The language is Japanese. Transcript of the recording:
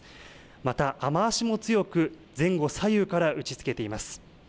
また、雨足も強く、前後左右から打ちつけています。